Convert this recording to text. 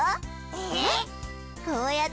えっ？